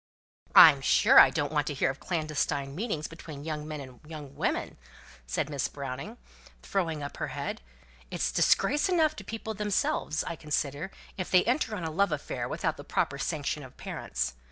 "I'm sure I don't want to hear of clandestine meetings between young men and young women," said Miss Browning, throwing up her head. "It's disgrace enough to the people themselves, I consider, if they enter on a love affair without the proper sanction of parents.